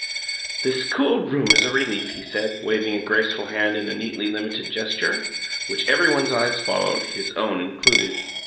"This cool room is a relief," he said, waving a graceful hand in a neatly limited gesture, which everybody's eyes followed, his own included.